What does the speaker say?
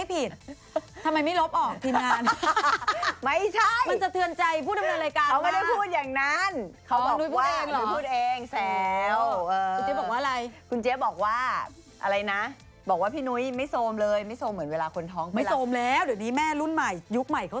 พี่ตีมีไหม